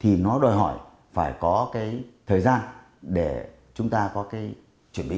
tài trợ thì nó đòi hỏi phải có cái thời gian để chúng ta có cái chuẩn bị